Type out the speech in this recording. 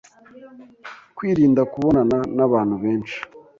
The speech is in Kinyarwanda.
kwirinda kubonana n'abantu benshi